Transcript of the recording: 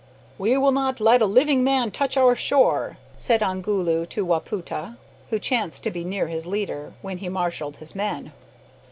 "We will not let a living man touch our shore," said Ongoloo to Wapoota, who chanced to be near his leader, when he marshalled his men.